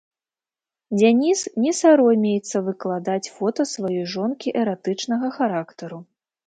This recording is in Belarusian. Дзяніс не саромеецца выкладаць фота сваёй жонкі эратычнага характару.